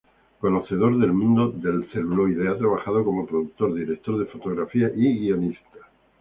Conocedor del mundo del celuloide, ha trabajado como productor, director de fotografía y guionista.